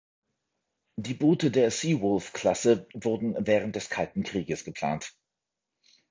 Die Boote der "Seawolf-Klasse" wurden während des Kalten Krieges geplant.